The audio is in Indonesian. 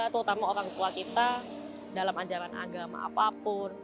terutama orang tua kita dalam ajaran agama apapun